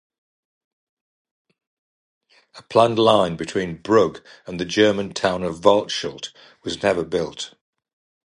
A planned line between Brugg and the German town of Waldshut was never built.